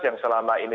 yang selama ini